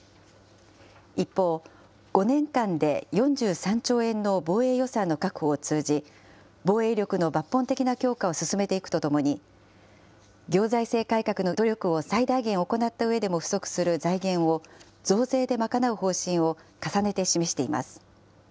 一方、５年間で４３兆円の防衛予算の確保を通じ、防衛力の抜本的な強化を進めていくとともに、行財政改革の努力を最大限行ったうえでも不足する財源を、増税で賄う方針を重ねて示しています。